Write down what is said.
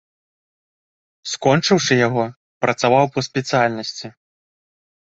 Скончыўшы яго, працаваў па спецыяльнасці.